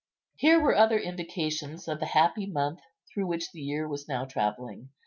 Here were other indications of the happy month through which the year was now travelling.